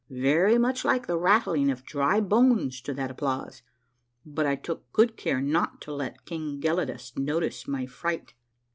very much like the rattling of dry bones to that applause, but I took good care not to let King Gelidus notice my fright.